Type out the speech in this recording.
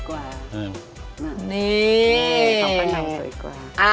ของป้าน้ำสวยกว่า